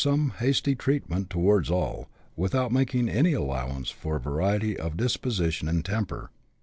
79 the same hasty treatment towards all, without making any allow ance for variety of disposition and temper.